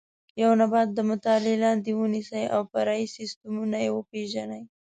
یو نبات د مطالعې لاندې ونیسئ او فرعي سیسټمونه یې وپېژنئ.